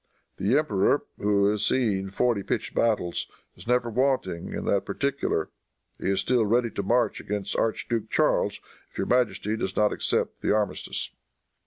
The emperor, who has seen forty pitched battles, is never wanting in that particular. He is still ready to march against the Archduke Charles, if your majesty does not accept the armistice."